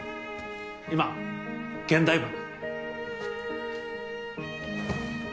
今現代文。